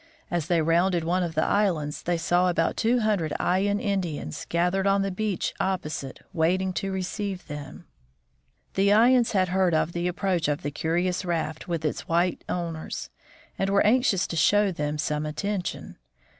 As they rounded one of the islands, they saw about two hundred Ayan Indians gathered on the beach opposite, waiting to receive them. The Ayans had heard of the approach of the curious raft with its white owners, and were anxious to show them some attention.